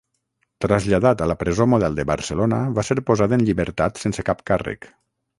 Traslladat a la Presó Model de Barcelona va ser posat en llibertat sense cap càrrec.